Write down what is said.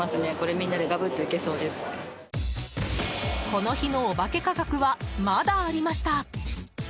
この日のオバケ価格はまだありました。